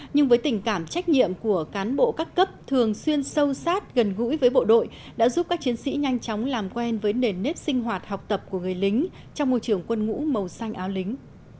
nhưng với tình cảm trách nhiệm của cán bộ các cấp thường xuyên sâu sát gần gũi với bộ đội đã giúp các chiến sĩ nhanh chóng làm quen với nền nếp sinh hoạt học tập của người lính trong môi trường quân ngũ màu xanh áo lính